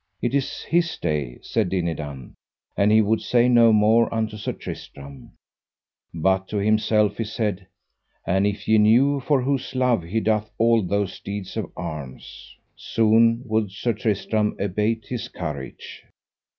It is his day, said Dinadan; and he would say no more unto Sir Tristram; but to himself he said: An if ye knew for whose love he doth all those deeds of arms, soon would Sir Tristram abate his courage.